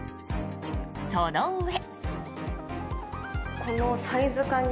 そのうえ。